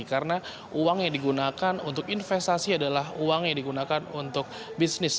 karena uang yang digunakan untuk investasi adalah uang yang digunakan untuk bisnis